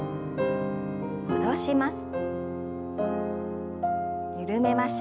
戻します。